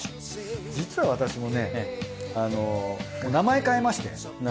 実は私もね名前変えまして。